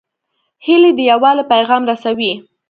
هیلۍ د یووالي پیغام رسوي